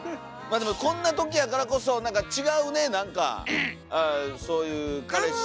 でもこんな時やからこそなんか違うねなんかそういう彼氏。